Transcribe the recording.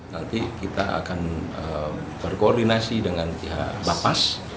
nanti kita akan berkoordinasi dengan pihak lapas